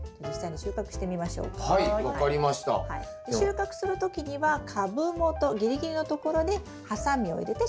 収穫する時には株元ギリギリのところでハサミを入れて収穫しましょう。